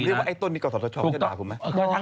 ผมเรียกว่าไอ้ต้นมีข่าวสอบสถาชอบไม่ใช่ด่าผมไหม